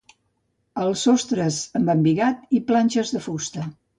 Els sostres amb embigat i planxes de fusta.